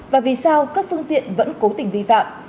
và vì sao các phương tiện vẫn cố tình vi phạm